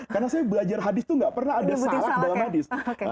karena saya belajar hadis itu gak pernah ada salak dalam hadis